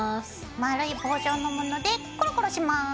丸い棒状のものでコロコロします。